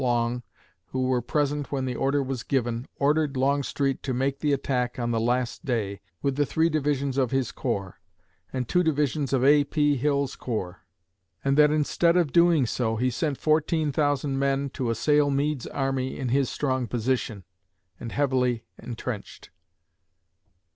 Long, who were present when the order was given, ordered Longstreet to make the attack on the last day, with the three divisions of his corps, and two divisions of A. P. Hill's corps, and that instead of doing so he sent fourteen thousand men to assail Meade's army in his strong position, and heavily intrenched.